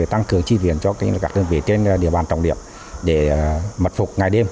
tăng cường chi viện cho các đơn vị trên địa bàn trọng điểm để mật phục ngày đêm